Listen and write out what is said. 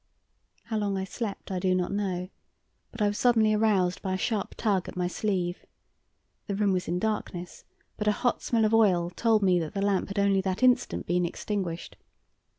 How long I slept I do not know; but I was suddenly aroused by a sharp tug at my sleeve. The room was in darkness, but a hot smell of oil told me that the lamp had only that instant been extinguished.